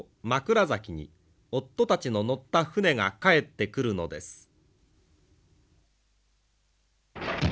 枕崎に夫たちの乗った船が帰ってくるのです。